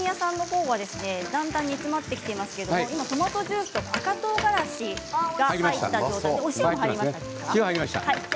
だんだん煮詰まっていますけれどもトマトジュースと赤とうがらしが入った状態でお塩も入れましたか。